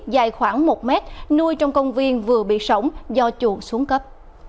dài khoảng một mét nuôi trong công viên vừa bị sổng do chuồng xuống cấp